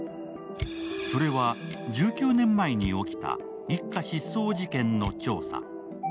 それは１９年前に起きた一家失踪事件の調査。